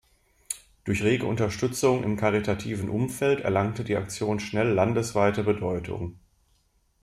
Durch rege Unterstützung im karitativen Umfeld erlangte die Aktion schnell landesweite Bedeutung.